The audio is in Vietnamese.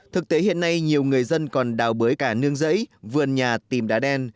thực tế hiện nay nhiều người dân còn đào bới cả nương giấy vườn nhà tìm đá đen